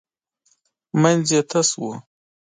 منځ یې تش و .